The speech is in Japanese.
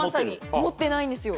持ってないんですよ。